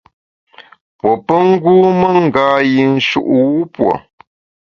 Pue pe ngûme ngâ-yinshu’ wupue.